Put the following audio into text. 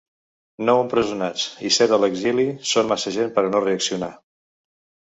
Nou empresonats i set a l’exili són massa gent per a no reaccionar.